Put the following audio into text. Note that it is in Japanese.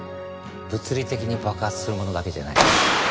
物理的に爆発するものだけじゃない。